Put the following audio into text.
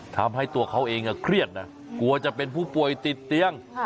ทำให้ตัวเขาเองเครียดนะกลัวจะเป็นผู้ป่วยติดเตียง